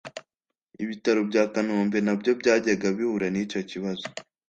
Ibitaro bya Kanombe nabyo byajyaga bihura n’icyo kibazo